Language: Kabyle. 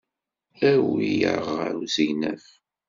Awi-aɣ ɣer usegnaf.